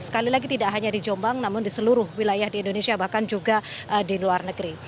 sekali lagi tidak hanya di jombang namun di seluruh wilayah di indonesia bahkan juga di luar negeri